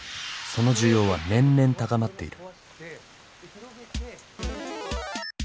その需要は年々高まっている。